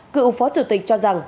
cựu phó chủ tịch cho rằng